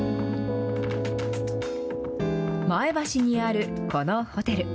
前橋にあるこのホテル。